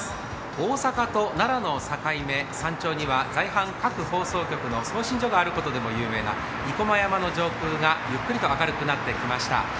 大阪と奈良の境目、山頂には各放送局の送信局があることで有名な生駒山の上空がゆっくりと明るくなってきました。